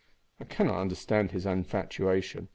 I cannot understand his infatuation.